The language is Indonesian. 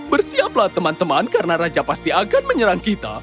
bersiaplah teman teman karena raja pasti akan menyerang kita